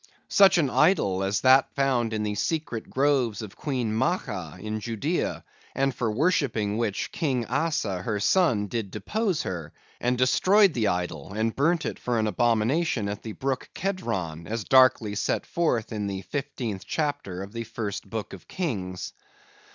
Such an idol as that found in the secret groves of Queen Maachah in Judea; and for worshipping which, King Asa, her son, did depose her, and destroyed the idol, and burnt it for an abomination at the brook Kedron, as darkly set forth in the 15th chapter of the First Book of Kings.